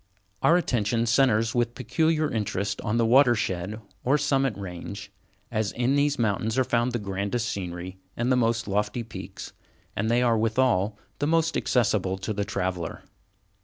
Our attention centres with peculiar interest on the watershed or Summit Range, as in these mountains are found the grandest scenery and the most lofty peaks, and they are withal the most accessible to the traveller.